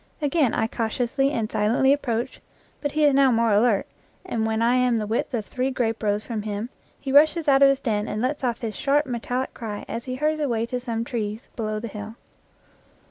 Again I cautiously and silently approach, but he is now more alert, and when I am the width of three grape rows from him he rushes out of his den and lets off his sharp, metallic cry as he hurries away to some trees below the hill.